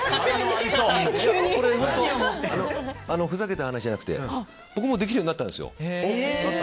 ふざけた話じゃなくて僕もできるようになったんですよ。